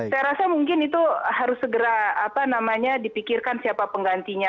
saya rasa mungkin itu harus segera dipikirkan siapa penggantinya